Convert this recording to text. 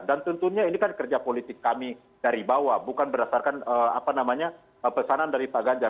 dan tentunya ini kan kerja politik kami dari bawah bukan berdasarkan pesanan dari pak ganjar